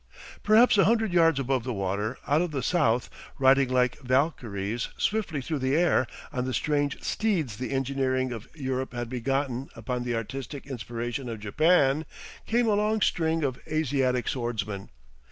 Perhaps a hundred yards above the water, out of the south, riding like Valkyries swiftly through the air on the strange steeds the engineering of Europe had begotten upon the artistic inspiration of Japan, came a long string of Asiatic swordsman.